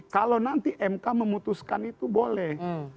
kalau nanti mk memutuskan itu boleh